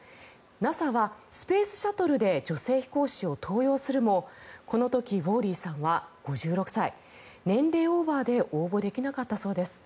ＮＡＳＡはスペースシャトルで女性飛行士を登用するもこの時、ウォーリーさんは５６歳年齢オーバーで応募できなかったそうです。